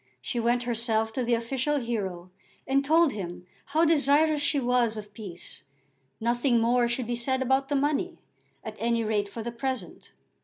She went herself to the official hero and told him how desirous she was of peace. Nothing more should be said about the money, at any rate for the present.